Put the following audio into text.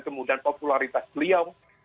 kemudian popularitas beliau